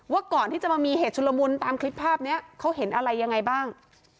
ว่าก่อนที่จะมามีเหตุชุลมุนตามคลิปภาพนี้เขาเห็นอะไรยังไงบ้าง